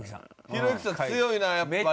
ひろゆきさん強いなやっぱり。